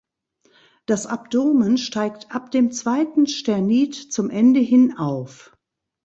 Das Abdomen steigt ab dem zweiten Sternit zum Ende hin auf.